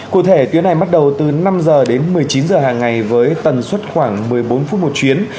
cụ thể tuyến này bắt đầu từ năm h đến một mươi chín giờ hàng ngày với tần suất khoảng một mươi bốn phút một chuyến